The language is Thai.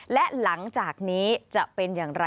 และหลังจากนี้จะเป็นอย่างไร